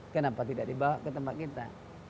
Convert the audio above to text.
kenapa tidak dibawa ke tempat kita